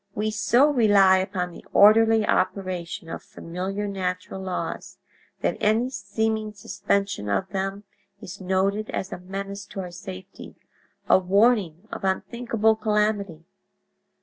We so rely upon the orderly operation of familiar natural laws that any seeming suspension of them is noted as a menace to our safety, a warning of unthinkable calamity.